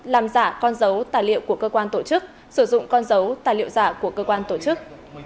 làm giả con dấu tài liệu của cơ quan tổ chức sử dụng con dấu tài liệu giả của cơ quan tổ chức